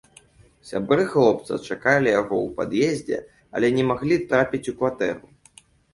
Сябры хлопца чакалі яго ў пад'ездзе, але не маглі трапіць у кватэру.